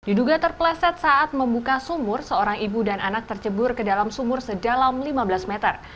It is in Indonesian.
diduga terpleset saat membuka sumur seorang ibu dan anak tercebur ke dalam sumur sedalam lima belas meter